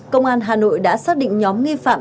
công an hà nội đã xác định nhóm nghi phạm